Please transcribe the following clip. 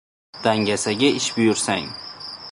Dangasaga ish buyursang